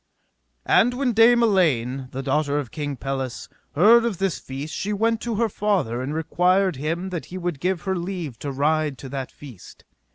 And when Dame Elaine, the daughter of King Pelles, heard of this feast she went to her father and required him that he would give her leave to ride to that feast.